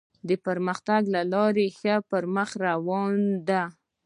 د پرمختګ لاره یې ښه پر مخ روانه ده.